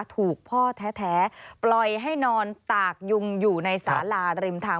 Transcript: ถูกพ่อแท้ปล่อยให้นอนตากยุงอยู่ในสาลาริมทาง